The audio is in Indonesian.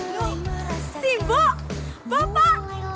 lo si bok bok pak